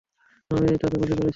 আমি তাকে গুলি করেছি।